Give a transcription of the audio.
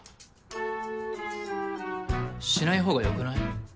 しないほうが良くない？